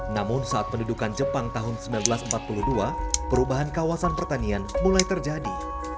namun saat pendudukan jepang tahun seribu sembilan ratus empat puluh dua perubahan kawasan pertanian mulai terjadi